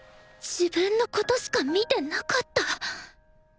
自分のことしか見てなかった？